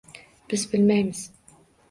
Biz bilmaymiz: